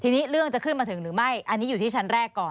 ทีนี้เรื่องจะขึ้นมาถึงหรือไม่อันนี้อยู่ที่ชั้นแรกก่อน